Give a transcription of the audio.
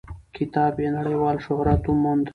کتاب یې نړیوال شهرت وموند.